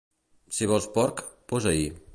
Si vols porc, posa-hi.